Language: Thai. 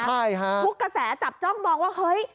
ใช่ฮะทุกกระแสจับจ้องมองว่าเฮ้ย